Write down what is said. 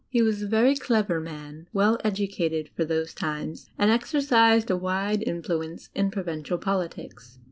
He was a very clever man, well educated for those times, and exercised a wide influence in provincial politics.